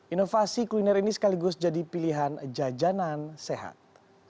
inovasi kuliner ini sekaligus jadi pilihan jajanan sehat